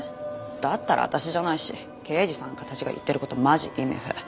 だったら私じゃないし刑事さんたちが言ってる事マジイミフ。